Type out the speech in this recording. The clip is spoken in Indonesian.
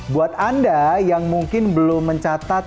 buat anda yang mungkin belum mencatat